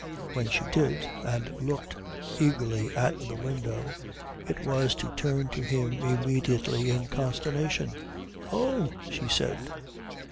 When she did, and looked eagerly at the window, it was to turn to him immediately in consternation. "Oh!" she said.